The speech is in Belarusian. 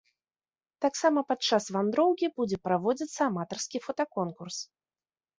Таксама пад час вандроўкі будзе праводзіцца аматарскі фотаконкурс.